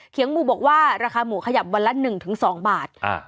เขียงหมูบอกว่าราคาหมูขยับวันละหนึ่งถึงสองบาทอ่า